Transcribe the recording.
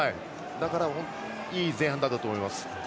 いい前半だったと思います。